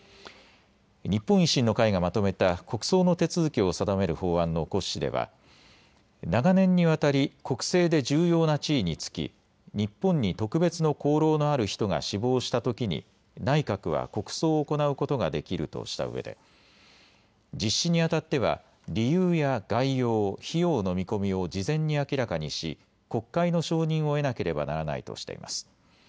日本維新の会がまとめた国葬の手続きを定める法案の骨子では、長年にわたり国政で重要な地位に就き日本に特別の功労のある人が死亡したときに内閣は国葬を行うことができるとしたうえで実施にあたっては理由や概要、費用の見込みを事前に明らかにし国会の承認を得なければならないとしています。